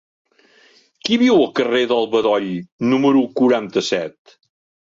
Qui viu al carrer del Bedoll número quaranta-set?